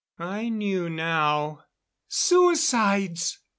I knew now. "Suicides!"